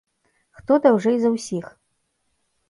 Хто даўжэй за ўсіх?